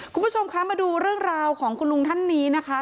คุณผู้ชมคะมาดูเรื่องราวของคุณลุงท่านนี้นะคะ